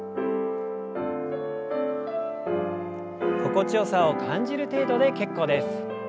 心地よさを感じる程度で結構です。